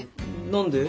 何で？